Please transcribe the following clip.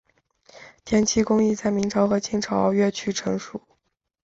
填漆工艺在明朝和清朝越趋成熟。